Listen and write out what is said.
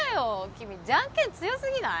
君じゃんけん強すぎない？